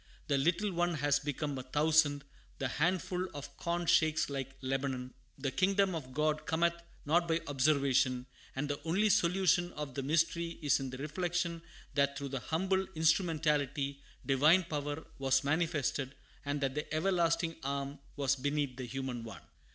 The little one has become a thousand; the handful of corn shakes like Lebanon. "The kingdom of God cometh not by observation;" and the only solution of the mystery is in the reflection that through the humble instrumentality Divine power was manifested, and that the Everlasting Arm was beneath the human one.